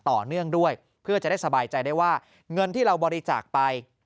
ต่อเนื่องด้วยเพื่อจะได้สบายใจได้ว่าเงินที่เราบริจาคไป